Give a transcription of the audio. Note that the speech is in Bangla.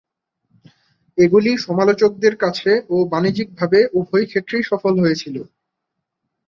এগুলি সমালোচকদের কাছে ও বাণিজ্যিকভাবে---উভয় ক্ষেত্রেই সফল হয়েছিল।